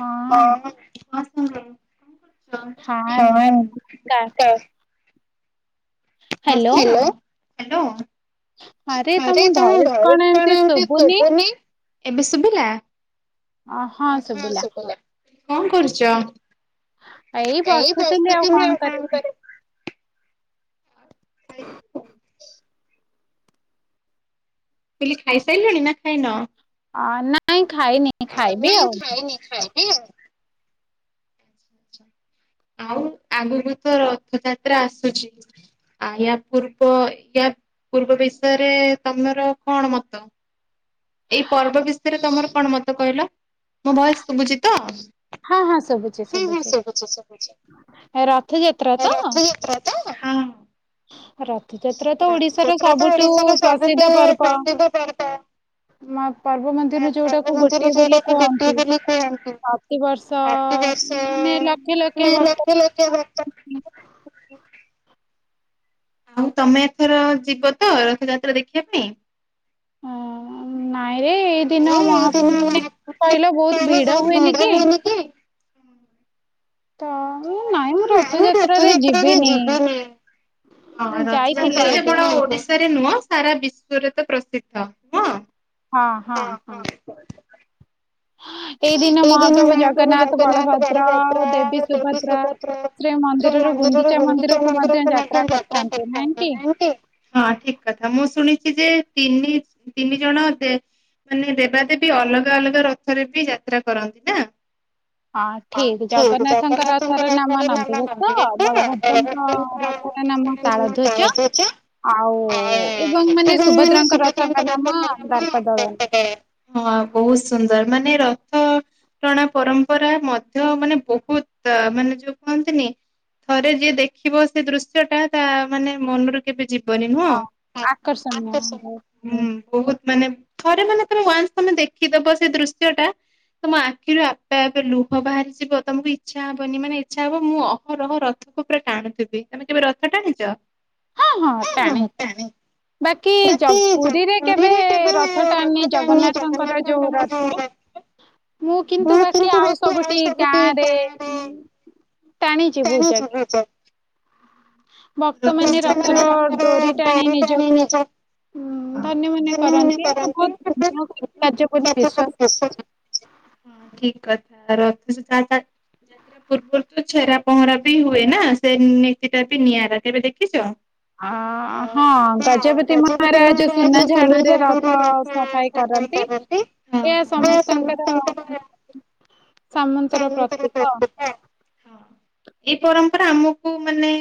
ହଁ। ହଁ [unintelligible] hello hello- ଆରେ ତମ ଘରକୁ କଣ ଏମିତି ଶୁଭୁନି? ଏବେ ଶୁଭିଲା ହଁ ଶୁଭିଲା। କଣ କରୁଚ? ଏଇ ବସିଥିଲି ଆଉ କଣ କରିବି। [unintelligible] କହିଲି ଖାଇସାଇଲଣି ନା ଖାଇନ? ଅ ନାଇଁ ଖାଇନି। ଅ ନାଇଁ ଖାଇନି ଖାଇବି ଆଉ [unintelligible] ଆଉ ଆଗକୁ ତ ରଥଯାତ୍ରା ଆସୁଚି ଆ ୟା ପୂର୍ବ ୟା ପୂର୍ବ ବିଷୟରେ ତମର କଣ ମତ? ଏଇ ପର୍ବ ବିଷୟରେ ତମର କଣ ମତ କହିଲ? ମୋ ଭଏସ୍ ଶୁଭୁଚି ତ? ହଁ ହଁ ଶୁବୁଚି ଶୁବୁଚି। ଶୁବୁଚି ଶୁବୁଚି। ରଥଯାତ୍ରା ତ? ରଥ୍ ରଥଯାତ୍ରା ତ ଓଡିଶାର ସବୁଟୁ ପ୍ରସିଦ୍ଧ ପର୍ବ। ମା ପର୍ବ ମଧ୍ୟରୁ ଯୋଉଟାକୁ ଗୋଟିଏ ବୋଲି କୁହନ୍ତି। ପ୍ରତି ବର୍ଷ ଅ ମାନେ ଲକ୍ଷ ଲ ନେ ଲକ୍ଷ ଲକ୍ଷ ବାକ୍ ଆଉ ତମେ ଏଥର ଯିବ ତ ରଥଯାତ୍ରା ଦେଖିବା ପାଇଁ? ନାଇଁରେ ଏଇ ଦିନ ମହାପୂ ନେ ରହିଲେ ବହୁତ୍ ଭିଡ ହୁଏନି କି? ତ ମୁ ନାଇଁ ମୁଁ ରଥଯାତ୍ରାରେ ଯିବିନି। ହଁ ରଥଯାତ୍ରା ତ କେବଳ ଓଡିଶାରେ ନୁହଁ ସାରା ବିଶ୍ଵରେ ତ ପ୍ରସିଦ୍ଧ। ହଁ? ହଁ ହଁ ହଁ। [unintelligible] ଏଇଦିନ ମହାପ୍ରଭୁ ଜଗନ୍ନାଥ ବଳଭଦ୍ର ଦେବୀ ସୁଭ ଦ୍ରା ସେ ମନ୍ଦିରରୁ ଗୁଣ୍ଡିଚାମନ୍ଦିର କୁ ମଧ୍ୟ ଯାତ୍ରା କରିଥାନ୍ତି। ନୁହେଁ କି? ହଁ ଠିକ୍ କଥା। ମୁଁ ଶୁଣିଚି ଯେ ତିନି ତିନି ଜଣ ଦେ ମାନେ ଦେବା ଦେବୀ ଅଲଗା ଅଲଗା ରଥରେ ବି ଯାତ୍ରା କରନ୍ତି ନା? ହଁ ଠିକ୍। ଜଗନ୍ନାଥଙ୍କ ରଥ ର ନାମ ନନ୍ଦିଘୋଷ, ବଳଭଦ୍ରଙ୍କ ର ରଥର ନାମ ତାଳଧ୍ୱଜ। ଆଉ ଏବଂ ମାନେ ସୁଭଦ୍ରାଙ୍କ ରଥଙ୍କ ନାମ ଦର୍ପଦଳନ। ହଁ ବହୁତ୍ ସୁନ୍ଦର ମାନେ ରଥ ଟଣା ପରମ୍ପରା ମଧ୍ୟ ମାନେ ବହୁତ ମାନେ ଯୋଉ କୁହନ୍ତିନି। ଥରେ ଯିଏ ଦେଖିବ ସେ ଦୃଶ୍ୟ ଟା ତା ମାନେ ମନୁରୁ କେବେ ଯିବନି ନୁହଁ? ହଁ ଆକର୍ଷଣୀୟ। ହୁଁ ବହୁତ୍ ମାନେ ଥରେ ମାନେ ତମେ ୱାନସ୍ ତମେ ଦେଖିଦବ ସେ ଦୃଶ୍ୟଟା ତମ ଆଖିରୁ ଆପେ ଆପେ ଲୁହ ବାହାରିଯିବ। ତମୁକୁ ଇଚ୍ଛା ହବନି ମାନେ ଇଚ୍ଛା ହବ ମୁଁ ଅହରହ ରଥ ଥକୁ ପୁରା ଟାଣୁଥିବି। ତମେ କେବେ ରଥ ଟାଣିଚ? ହଁ ଟାଣେ। ବାକି ଜ ପୁରୀରେ କେବେ ରଥ ଟାଣିନି ଜଗନ୍ନାଥଙ୍କର ଯୋଉ ରଥ୍। ଙ୍କ ରଥ। ମୁଁ କିନ୍ତୁ ବାକି ଆଉ ସବୁଟି ଗାଁ ରେ ଉଁ ଟାଣିଚି ବହୁତ ଜାଗା। ଭକ୍ତମାନେ ରଥର ଡୋରି ଟାଣି ନିଜକ୍ ଉଁ ଧନ୍ୟ ମନେ କରନ୍ତି। ଆଉ ବହୁତ୍ କାର୍ଯ୍ୟ ଉପରେ ବିଶ୍ୱାସ। ଠିକ୍ କଥା। ରଥ ଟାଣା କାର୍ଯ୍ୟ ପୂର୍ବରୁ ତ ଛେରା ପହଁରା ବି ହୁଏ ନା। ସେ ନୀତି ଟା ବି ନିଆଁରା କେବେ ଦେଖିଚ? ଅ। ହଁ ଗଜପତି ମହାରାଜ ସୁନା ଝାଡୁରେ ରଥ ସଫାଇ କରନ୍ତି। ଏହା ସମସ୍ତଙ୍କର ଏଇ ପରମ୍ପରା ଆମକୁ ମାନେ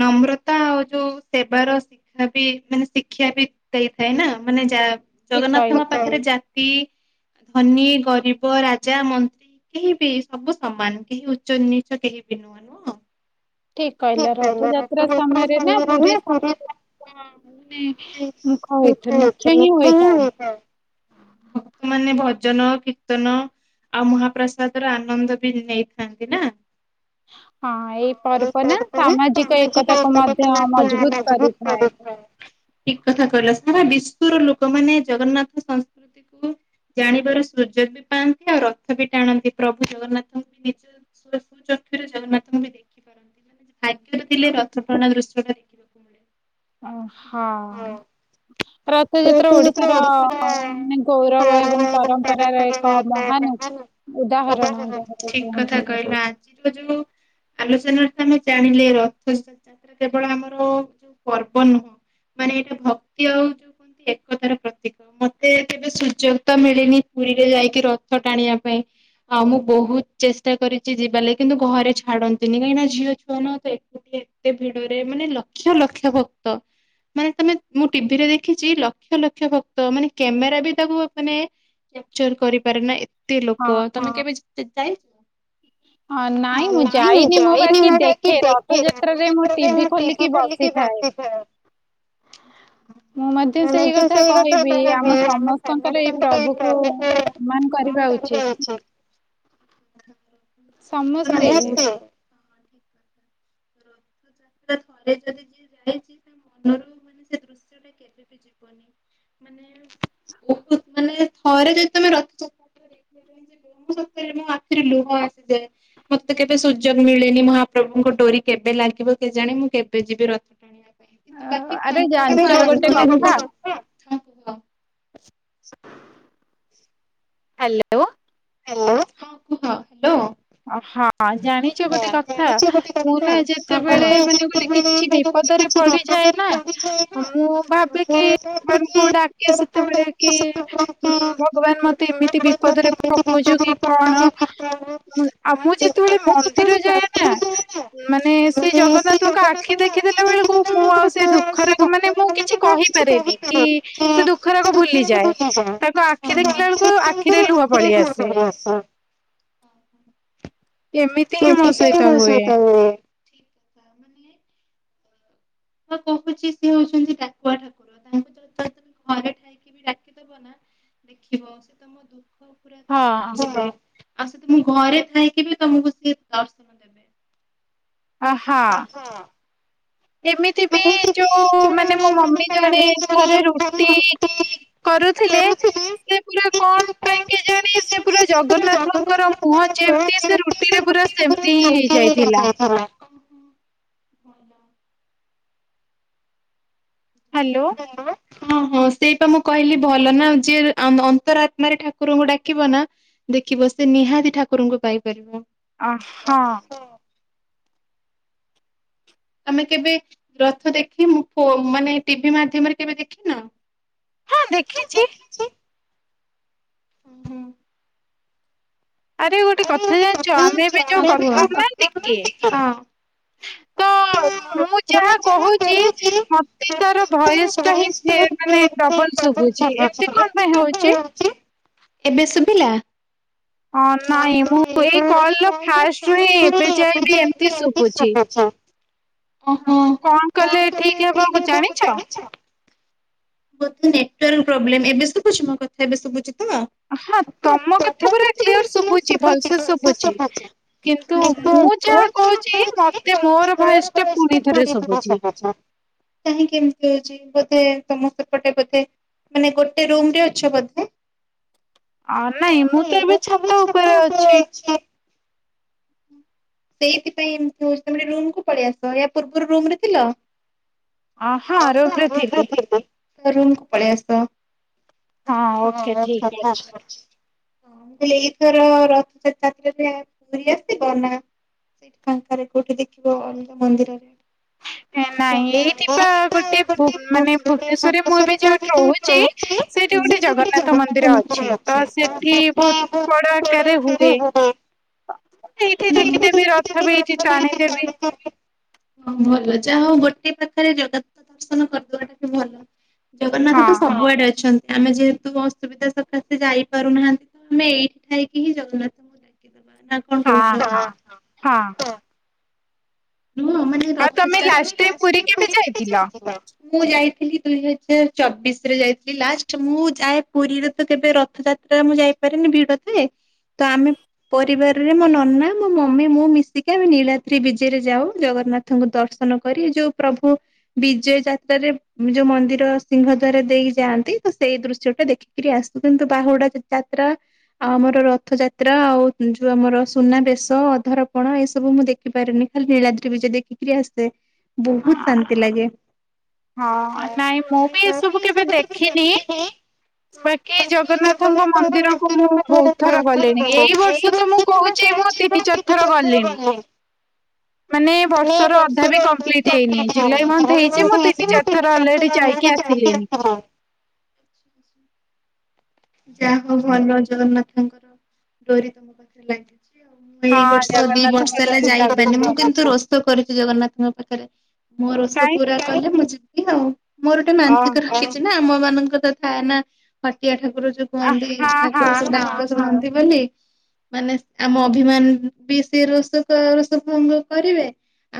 ନମ୍ରତା ଆଉ ଯୋଉ ସେବାର ଆ ବି ମାନେ ଶିକ୍ଷା ବି ଦେଇଥାଏ ନା। ମାନେ ଯାଆ ଜଗନ୍ନାଥଙ୍କ ପାଖରେ ଜାତି, ଧନୀ, ଗରିବ, ରାଜା, ମନ୍ କେହିବି ସବୁ ସମାନ୍। କେହି ଉଚ୍ଚ ନିଚ୍ଚ କେହି ବି ନୁହଁ ନୁହଁ? ଠିକ କହିଲ। ରଥଯାତ୍ରା ସମୟରେ ନା ପୁରୀ ମାନେ ମୁଖ ହୋଇଥାଏ ମୁଖ୍ୟ ହିଁ ହୋଇଥାଏ। ଭକ୍ତ ମାନ ଭଜନ କୀର୍ତ୍ତନ ଆଉ ମହାପ୍ରସାଦ ର ଆନନ୍ଦ ବି ନେଇଥାନ୍ତି ନା? ହଁ ଏଇ ପର୍ବ ନା ସାମାଜିକ ଏକତାକୁୁ ମଧ୍ୟ ମଜଭୁତ୍ କରିଥାଏ। ଠିକ୍ କଥା କହିଲ। ସାରା ବିଶ୍ଵର ଲୋକମାନେ ଜଗନ୍ନାଥ ସଂସ୍କୃତି କୁ ଜାଣିବାର ସୁଯୋଗ ବି ପାଆନ୍ତି। ଆଉ ରଥ ବି ଟାଣନ୍ତି ପ୍ରଭୁ ଜଗନ୍ନାଥଙ୍କୁ ବି ସୁ ଚକ୍ଷୁରେ ଜଗନ୍ନାଥଙ୍କୁ ବି ଦେଖିପାରନ୍ତି ମାନେ ଭାଗ୍ୟରେ ଥିଲେ ରଥ ଟଣା ଦୃଶ୍ୟ ଟା ଦେଖି। ଓ ହଁ। ରଥଯାତ୍ରା ଓଡିଶାର ମାନେ ଗୌରବ ଏବଂ ପରମ୍ପରା ର ଏକ ମହାନ ଉଦାହରଣ ଯାହାକୁ କୁହନ୍ତି। ଯୋଉ ଆଲୋଚନା ଟା ଆମେ ଜାଣିଲେ ରଥଟଣା କେବଳ ଆମର ଯୋଉ ପର୍ବ ନୁହଁ ମାନେ ଏଇଟା ଭକ୍ତି ଆଉ ଯୋଉ। ଏକତାର ପ୍ରତୀକ। ମତେ କେବେ ସୁଯୋଗ ତ ମିଳିନି ପୁରୀରେ ଯାଇକି ରଥ ଟାଣିବା ପାଇଁ। ଆଉ ମୁଁ ବହୁତ ଚେଷ୍ଟା କରିଛି ଯିବା ଲାଗି କିନ୍ତୁ ଘରେ ଛାଡନ୍ତିନି କାହିଁକି ନା ଝିଅ ଛୁଆ ନା ତ ସେଠି ଏତେ ଭିଡରେ ମାନେ ଲକ୍ଷ ଲକ୍ଷ ଭକ୍ତ ମାନେ ତମେ ମୁଁ ଟିଭିରେ ଦେଖିଛି ଲକ୍ଷ ଲକ୍ଷ ଭକ୍ତ ମାନେ କ୍ୟାମେରା ବି ତାକୁ ମାନେ କ୍ୟାପଚର୍ କରିପାରେ ନା ଏତେ ଲୋକ। ତମେ କେବେ ଯାଇଛ? ହଁ ନାଇଁ ମୁଁ ଯାଇନି ମାନେ ଏଠି ଦେଖେ ରଥଯାତ୍ରା ରେ ମୁଁ ଟିଭି ଖାଲି କି [unintelligible] ନିଜେ ସେଇ କଥା କହେ ବି ଆମ ସମସ୍ତଙ୍କ ପାଇଁ ଏଇ ପର୍ବ ଟା ନାଇଁ ଚାରିଟା ଗଛ। ସମସ୍ତେ [unintelligible] [unintelligible] ଏ ଥରେ ଯଦି ତମେ ରଥଯାତ୍ରାରେ ଦେଖିବା ପାଇଁ ଯିବ ସତରେ ମୋ ଆଖିରେ ଲୁହ ଆସିଯାଏ। ମତେ କେବେ ସୁଯୋଗ ମିଳେନି ମହାପ୍ରଭୁଙ୍କ ଡୋରି କେବେ ଲାଗିବ କେଜାଣି ମୁଁ କେବେ ଯିବି ରଥ [inaudible] ହାଲୋ। ହ୍ୟାଲୋ ହଁ କୁହ ହ୍ୟାଲୋ ଅ ହଁ ଜାଣିଛ ଗୋଟେ କଥା ମୁଁ ନା ଯେତେବେଳେ ମାନେ ଗୋଟେ କିଛି ବିପ ଦରେ ପଡିଯାଏ ନାଁ ମୁଁ ଭାବେ କି ଭଗବାନ ଡାକେ ସେତେବେଳେ କି ହୁଁ ଭଗବାନ ମତେ ଏମିତି ବିପଦରେ ତୁ ପକଉଛୁ କି କଣ ଆଉ ମୁଁ ଯେତେବେଳେ ମନ୍ଦିର ଯାଏ ନାଁ ମାନେ ସେଇ ଜଗନ୍ନାଥଙ୍କ ଆଖି ଦେଖିଦେଲା ବେଳକୁ ମୁଁ ଆଉ ସେ ଦୁଃଖରାକୁ ମାନେ ମୁଁ କିଛି କହିପାରେନି କି ସେ ଦୁଃଖରାକ ଭୁଲିଯାଏ। ତାଙ୍କ ଆଖି ଦେଖିଲା ବେଳକୁ ଆଖିରେ ଲୁହ ପଳେଇ ଆସେ। ହସ ଏମିତିଆ ହିଁ ମୋ ସହିତ ହୁଏ। ମୁଁ କହୁଛି ସେ ହଉଛନ୍ତି ଡାକୁଆ ଠାକୁର ତାଙ୍କୁ ଯଦି ତମେ ଘରେ ଥାଇକି ବି ଡାକିବ ଡାକିଦବ ନା ଦେଖିବ ସେ ତମ ଦୁଃଖ ପୁରା ନେଇଯିବ ଯିବ ଆଉ ସେତ ମୁଁ ଘରେ ଥାଇକି ବି ତମକୁ ସିଏ ଅହ ଏମିତି ବି ଯୋଉ ମାନେ ମୋ ମମି ଜାଣେ ଥରେ ରୁଟି କରୁଥିଲେ ସେ ପୁରା କଣ ପାଇଁ କେଜାଣି ସେ ପୁରା ଜଗନ୍ନାଥଙ୍କର ମୁହଁ ଯେମ ତେ ସେ ରୁଟି ରେ ପୁରା ସେମିତି ହିଁ ହେଇ ଯାଇଥିଲା। [unintelligible] ହ୍ୟାଲୋ। କଣ? ଓହୋ ସେଇପା ମୁଁ କହିଲି ଭଲ ନା ଯିଏ ଅ ଅନ୍ତରତ୍ମାରେ ଠାକୁରଙ୍କୁ ଡାକିବ ନା ଦେଖିବ ସେ ନିହାତି ଠାକୁରଙ୍କୁ ପାଇପାରିବ। ଅହୋ। ତମେ କେବେ ରଥ ଦେଖି ମୁଁ ମାନେ ଟିଭି ମାଧ୍ୟମରେ କେବେ ଦେଖିିନ ହଁ ଦେଖିଛି। ଛି। ହୁଁ। ଆରେ ଗୋଟେ କଥା ଜାଣିଚ ଆମେ ବି ଯୋଉ କଥା ହଉନାହାନ୍ତି କି ତ ଅ ମୁଁ ଯାହା କହୁଛି ମତେ କାର ଭୟସ ଟା ହିଁ ଫେ ମାନେ ଡବଲ ଶୁଭୁଚି ଏମତି କଣ ପାଇଁ ହଉଛି? ଏବେ ଶୁଭିଲା? ହଁ ନାଇଁ ମୁଁ ଏଇ କଲ ଫାଷ୍ଟରୁୁ ହିଁ ଏବେ ଯାଏଁ ବି ଏମତି ଶୁଭୁଛି। କଣ କଲେ ଠିକ ହବ ୟାକୁ ଜାଣିଛ? ବୋଧେ ନେଟୱର୍କ ପ୍ରୋବ୍ଲେମ୍ ଏବେ ଶୁଭୁଚି ମୋ କଥା ଏବେ ଶୁଭୁଚି ତ ହଁ ତମ କଥା ପୁରା କ୍ଲିୟର ଶୁଭୁଛି ଭଲସେ ଶୁଭୁଛି। କିନ୍ତୁ ମୁଁ ଯାହା କହୁଛି ମତେ ମୋର ଭୟସ ଟା ପୁଣି ଥରେ ଶୁଭୁଛି। କାହିଁକି କେମିତି ହଉଛି ବୋଧେ ତମ ସେପଟେ ବୋଧେ ମାନେ ଗୋଟେ ରୁମ ରେ ଅଛ ବୋଧେ ଅଁ ନାଇଁ ମୁଁ ତ ଏବେ ଛାତ ଉପରେ ଅଛି। ଛି ସେଇଥିପାଇଁ ଏମତି ହଉଛି ତମେ ରୁମକୁ ପଳେଇ ଆସ ୟା ପୂର୍ବରୁ ରୁମରେ ରେ ଥିଲ। ଅ ହଁ ରୁମରେ ଥିଲି। ରୁମକୁ ପଳେଇ ଆସ [unintelligible] ହଁ ମୁଁ କହିଲି ଏଇଥର ରଥଯାତ୍ରାରେ ପୁରି ଆସିଥିଲ ନାଁ? ସେଇଠି ଫାଙ୍କାରେ କୋଉଠି ଦେଖିବ ଅଲଗା ମନ୍ଦିରରେ। ନାଇଁ ଏଇଠି ପା ଗୋଟେ ମାନେ ଭୁବନେଶ୍ଵରରେ ମୁଁ ଏବେ ଯୋଉଠି ରହୁଛି। ସେଇଠି ଗୋଟେ ଜଗନ୍ନାଥ ମନ୍ଦିର ଅଛି ତ ସେଠି ବହୁତ ବଡ ରେ ହୁଏ। ଏଇଠି ଦେଖିଦେବି ରଥ ବି ଏଇଠି ଟାଣିଦେବି। [unintelligible] ହଁ ଭଲ ଯାହା ହଉ ଗୋଟେ ପାଖରେ ଜଗନ୍ନାଥ ଦର୍ଶନ କରିଦବାଟା ଭଲ। ଜଗନ୍ନାଥ ତ ସବୁଆଡେ ଅଛନ୍ତି। ଆମେ ଯେହେତୁ ଅସୁବିଧା ସକାଶେ ଯାଇପାରୁନାହାନ୍ତି ତ ଆମେ ଏଇଠି। ଠାଇକି ହିଁ ଜଗନ୍ନାଥଙ୍କୁ ଡାକିଦବା ନା କ। ହଁ ହଁ ହଁ। ନୁହଁ ମାନେ ରଥଯାତ୍ରା ଲାଷ୍ଟ ଟାଇମ ପୁରୀ କେବେ ଯାଇଥିଲ? ମୁଁ ଯାଇଥିଲି ଦୁଇହଜାର ଚବିଶରେ ଯାଇଥିଲି ଲାଷ୍ଟ ମୁଁ ଯାଏ ପୁରୀରେ ତ କେବେ ରଥଯା ମୁଁ ଯାଇପାରେନି ଭିଡ ଥାଏ। ତ ଆମେ ପରିବାରରେ ମୋ ନନା ମୋ ମମି ମୁଁ ମିଶିକି ଆମେ ନୀଳାଦ୍ରି ବିଜେରେ ଯାଉ ଜଗନ୍ନାଥଙ୍କୁ ଦର୍ଶନ କରି ଯୋଉ ପ୍ରଭୁ ବିଜୟ ଯାତ୍ରାରେ ଯୋଉ ମନ୍ଦିର ସିଂହ ଦ୍ଵାର ଦେଇକି ଯାଆନ୍। ତ ସେଇ ଦୃଶ୍ୟଟା ଦେଖି କିରି ଆସୁ କିନ୍ତୁ ବାହୁଡା ଯାତ୍ରା ଆଉ ଆମର ରଥଯାତ୍ରା ଆଉ ଯୋଉ ଆମର ସୁନାବେଶ ଅଧରପଣା ଏସବୁ ମୁଁ ଦେଖିପାରେନି। ଖାଲି ନୀଳାଦ୍ରି ବିଜେ ଦେଖିକିରି ଆସେ, ବହୁତ ଶାନ୍ତି ଲାଗେ। ହଁ ନାଇଁ ମୁଁ ବି ଏସବୁ କେବେ ଦେଖିନି। ବାକି ଜଗନ୍ନାଥଙ୍କ ମନ୍ଦିରକୁ ମୁଁ ବହୁତ ଥର ଗଲିଣି। ଏଇ ବର୍ଷ ତ ମୁଁ କହୁଛି ମୁଁ ତିନି ଚାରି ଥର ଗଲିଣି। ମାନେ ବର୍ଷର ଅଧା ବି କମ୍ପ୍ଲିଟ୍ ହେଇନି। ଜୁଲାଇ ମନ୍ଥ ହେଇଛି ମୁଁ ତିନି ଚାରି ଥର ଅଲରେଡି ଯାଇକି ଆସିି [unintelligible] ଯାହା ହଉ ଭଲ ଜଗନ୍ନାଥଙ୍କର ଡୋରି ତମ ପାଖରେ ଲାଗି ଏଇ ବର୍ଷ ଦି ବର୍ଷ ହେଲା ଯାଇପାରୁନି। ମୁଁ କିନ୍ତୁ ରୋଷ ରୋଷ କରିଛି ଜଗନ୍ନାଥଙ୍କ ପାଖରେ ମୋ ରୋଷ ପୁରା କଲେ ମୁଁ ଯିବି ଆଉ। ମୋର ଗୋଟେ ମାନସିକ ରଖିଛି ନା। ଆମମାନଙ୍କ ତ ଥାଏ ନା ହଟିଆ ଠାକୁର ଯୋଉ କୁହନ୍ତି ଠାକୁର ସବୁ ଡାକର ଶୁଣନ୍ତି ବୋଲି। ମାନେ ଆମ ଅଭିମାନ ବି ସେ ରୋଷକ ରୋଷ ଭଙ୍ଗ କରିବେ।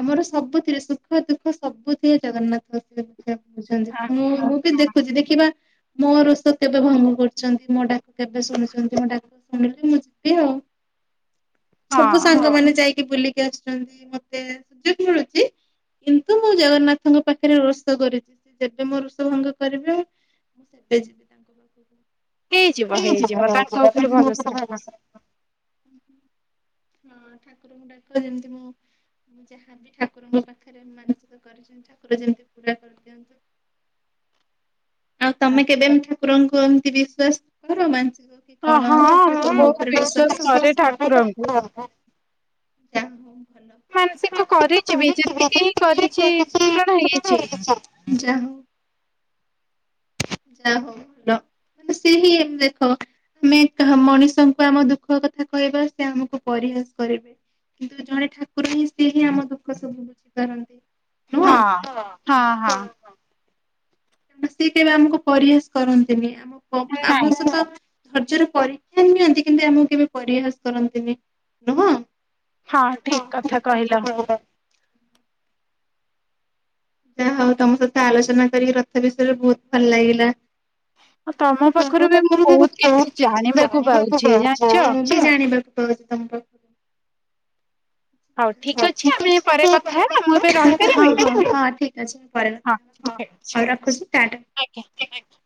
ଆମର ସବୁଥିରେ ସୁଖ ଦୁଃଖ ସବୁଥିରେ ଜଗନ୍ନାଥ ଅଛନ୍ତି। କହୁଛନ୍ତି ତ। ମୁଁ ମୁଁ ବି ଦେଖୁଛି ଦେଖିବା ମୋ ରୋଷ କେବେ ଭଙ୍ଗ କରୁ। ଛନ୍ତି। ମୋ ଡାକୁ କେବେ ଶୁଣୁଛନ୍ତି ମୋ ଡାକ ଶୁଣିଲି ମୁଁ ଯିବି ଆଉ। ସବୁ ସାଙ୍ଗମାନେ ଯାଇକି ବୁଲିକି ଆସୁଛନ୍ତି ମତେ ସୁଯୋଗ ମିଳୁଛି କିନ୍ତୁ ମୁଁ ଜଗନ୍ନାଥଙ୍କ ପାଖରେ ରୋଷ କରିଛି ସିଏ ଯେବେ ମୋ ରୋଷ ଭଙ୍ଗ କରିବେ [unintelligible] [inaudible] ହେଇଯିବ ହେଇଯିବ ତାଙ୍କ ଉପରେ ଭରସା ରଖ। ହଁ ଠାକୁରଙ୍କୁ ଡାକ ଯେମିତି ମୁଁ ଯାହାବି ଠାକୁରଙ୍କ ପାଖରେ ମାନସିକ କରିଛନ୍ତି ଠାକୁର ଯେମିତି ପୁରା କରିଦିଅନ୍ତୁ। ଆଉ ତମେ କେବେ ଏମିତି ଠାକୁରଙ୍କୁ ଏମତି ବିଶ୍ଵାସ କର ମାନସିକ କଣ [unintelligible] ଯା ମାନସିକ କରିଛି ବି ଯେତିକି ହିଁ କରିଛି ପୂରଣ ହେଇଛି। ଯାହା ହଉ। ଯା ହଉ ଭଲ। ମାନେ ସିଏ ହିଁ ଏବେ ଦେଖ ଆମେ ମଣିଷଙ୍କୁ ଆମ ଦୁଃଖ କଥା କହିବା ସେ ଆମକୁ ପରିହାସ କରିବେ। କିନ୍ତୁ ଜଣେ ଠାକୁର ହିଁ ସିଏ ହିଁ ଆମ ଦୁଃଖ ସବୁ ବୁଝିପାରନ୍ତି। ହଁ ହଁ ହଁ। ସେ କେବେ ଆମକୁ ପରିହାସ କରନ୍ତିନି। ଆମ ଆମ ସହ ଧୈର୍ଯ୍ୟର ପରୀକ୍ଷା ନିଅନ୍ତି କିନ୍ତୁ ଆମକୁ କେବେ ପରିହାସ କରନ୍ତିନି। ନୁହଁ? ହଁ ଠିକ୍ କଥା କହିଲ। ଯାହା ହଉ ତମ ସହିତ ଆଲୋଚ଼ନା କରି କି ରଥ ବିଷୟରେ ବହୁତ ଭଲ ଲାଗିଲା। ତମ ପାଖରୁ ବି ମୁଁ ବହୁତ କିଛି ଜାଣିବାକୁ ପାଉଛି ଜାଣିଛ? କି ଜାଣିବାକୁ ପାଇଛି ତମ ପାଖରୁ ହଁ ଠିକ୍ ଅଛି ପରେ କଥା ହବା ହଁ। ଆଉ ରଖୁଛି ଟାଟା। ଆଜ୍ଞା, ଆଜ୍ଞା।